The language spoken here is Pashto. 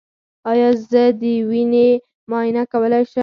ایا زه د وینې معاینه کولی شم؟